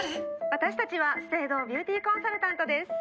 私たちは資生堂ビューティーコンサルタントです。